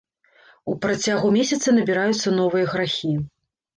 У працягу месяца набіраюцца новыя грахі.